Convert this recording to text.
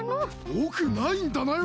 よくないんだなよ！